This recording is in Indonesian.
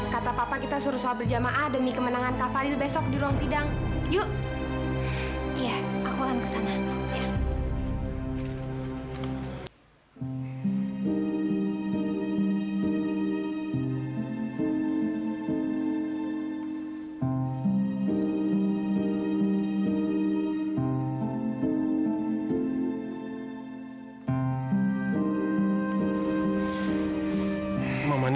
kata papa kita suruh soal berjamaah demi kemenangan kava lil besok di ruang sidang